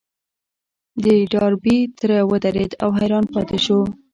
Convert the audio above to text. د ډاربي تره ودرېد او حيران پاتې شو.